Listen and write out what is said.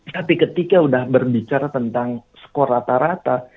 tapi ketika sudah berbicara tentang skor rata rata